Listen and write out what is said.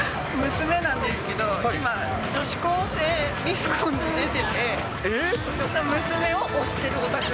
娘なんですけど、今、女子高生ミスコンに出てて。